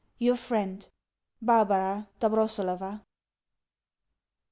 Your friend, BARBARA DOBROSELOVA.